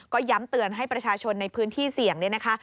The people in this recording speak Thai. ก็ย้ำเตือนให้ประชาชนในพื้นที่เสี่ยงเนี่ยนะคะ